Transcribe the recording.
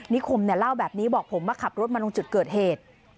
คมเนี่ยเล่าแบบนี้บอกผมมาขับรถมาตรงจุดเกิดเหตุ